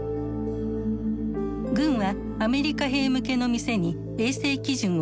軍はアメリカ兵向けの店に衛生基準を設定。